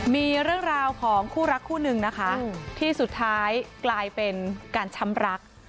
มีเรื่องราวของคู่รักคู่หนึ่งนะคะที่สุดท้ายกลายเป็นการช้ำรัก